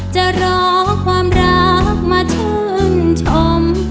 จะรอความรักมาชื่นชม